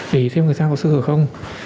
để xem người ta có sơ hở không